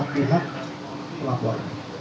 dari pihak pelapor